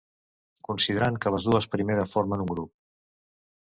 Considerant que les dues primera formen un grup.